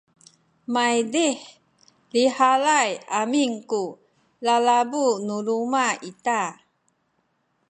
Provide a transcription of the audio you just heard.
maydih lihalay amin ku lalabu nu luma’ ita